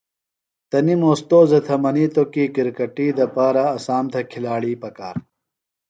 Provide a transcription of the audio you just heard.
تنِم اوستوذہ تھےۡ منِیتوۡ کی کرکٹی دپارہ اسام تھےۡ کِھلاڑی پکار۔